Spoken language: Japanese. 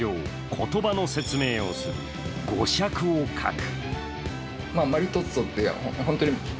言葉の説明をする、語釈を書く。